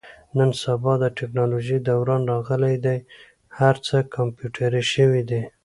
نن سبا د تکنالوژۍ دوران راغلی دی. هر څه کمپیوټري شوي دي.